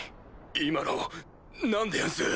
今の何でやんす？